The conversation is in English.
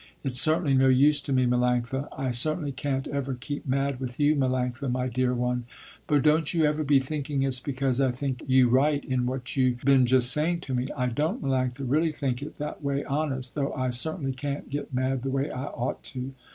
It's certainly no use to me Melanctha, I certainly can't ever keep mad with you Melanctha, my dear one. But don't you ever be thinking it's because I think you right in what you been just saying to me. I don't Melanctha really think it that way, honest, though I certainly can't get mad the way I ought to.